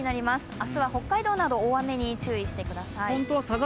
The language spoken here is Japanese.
明日は北海道など大雨に注意してください。